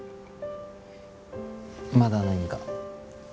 まだ何か？